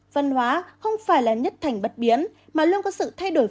văn hóa không phải là nhất thành bất biến mà luôn có sự thay đổi